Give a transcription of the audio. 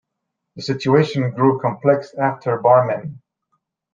The situation grew complex after Barmen.